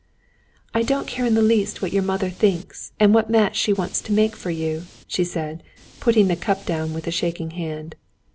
"I don't care in the least what your mother thinks, and what match she wants to make for you," she said, putting the cup down with a shaking hand.